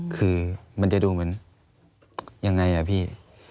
คือมันจะดูเหมือนยังไงอ่ะพี่